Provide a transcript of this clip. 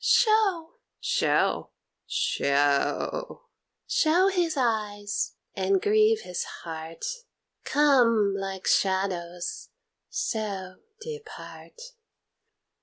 "Show!... Show!... Show!... Show his eyes, and grieve his heart; Come like shadows, so depart!"